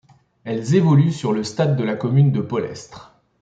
Elles évoluent sur le stade de la commune de Pollestres.